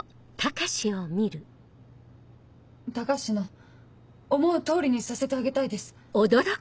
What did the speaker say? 高志の思う通りにさせてあげたいです。